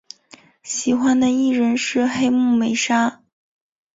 喜欢的艺人是黑木美纱。